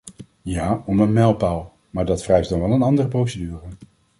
Ja, om een mijlpaal, maar dat vereist dan wel een andere procedure.